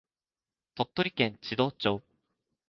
鳥取県智頭町